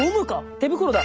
手袋だ！